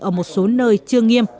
ở một số nơi chưa nghiêm